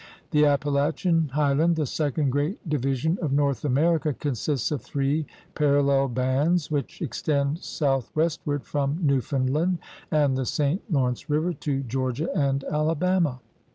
The Appalachian high land, the second great division of North America, consists of three parallel bands which extend south westward from Newfoundland and the St. Law rence River to Georgia and Alabama.